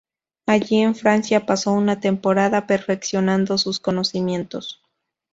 Allí en Francia pasó una temporada perfeccionando sus conocimientos.